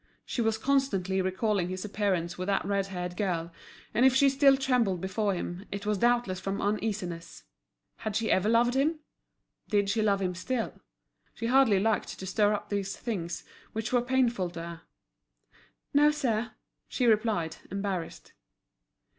She was constantly recalling his appearance with that red haired girl, and if she still trembled before him, it was doubtless from uneasiness. Had she ever loved him? Did she love him still? She hardly liked to stir up these things, which were painful to her. "No, sir," she replied, embarrassed.